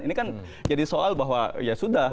ini kan jadi soal bahwa ya sudah